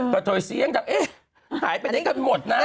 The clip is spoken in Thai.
กะโทยเสียงหายไปเย็นกันหมด